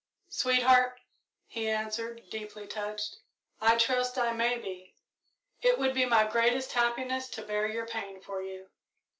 "Sweetheart," he answered, deeply touched, "I trust I may be. It would be my greatest happiness to bear your pain for you."